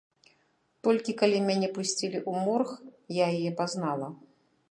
Толькі калі мяне пусцілі ў морг, я яе пазнала.